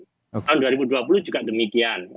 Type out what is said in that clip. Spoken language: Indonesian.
tahun dua ribu dua puluh juga demikian